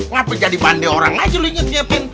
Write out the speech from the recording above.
ngapain jadi pandai orang aja lu ingetnya tin